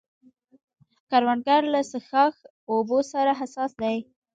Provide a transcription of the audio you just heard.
کروندګر له څښاک اوبو سره حساس دی